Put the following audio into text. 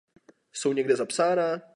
Jsou někde zapsána?